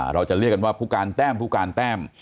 เราจะเรียกกันว่าผู้การแต้มผู้การแต้ม